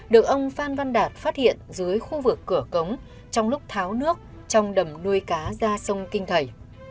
được ông phan văn đạt phát hiện dưới khu vực cửa cống trong lúc tháo nước trong đầm nuôi cá ra sông kinh thầy